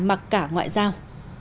mặc cả ngoại giao